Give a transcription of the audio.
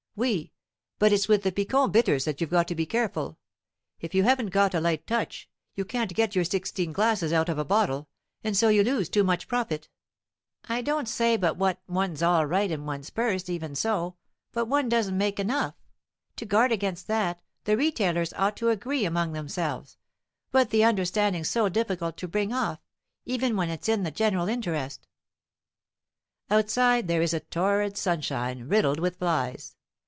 "Oui, but it's with the Picon bitters that you've got to be careful. If you haven't got a light touch, you can't get your sixteen glasses out of a bottle, and so you lose too much profit. I don't say but what one's all right in one's purse, even so, but one doesn't make enough. To guard against that, the retailers ought to agree among themselves, but the understanding's so difficult to bring off, even when it's in the general interest." Outside there is torrid sunshine, riddled with flies.